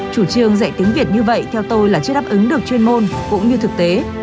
chủ trường dạy tiếng việt như vậy theo tôi là chưa đáp ứng được chuyên môn cũng như thực tế